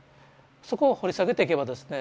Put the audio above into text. そこを掘り下げていけばですね